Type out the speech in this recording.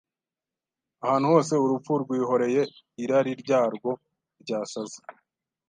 Ahantu hose urupfu rwihoreye irari ryarwo ryasaze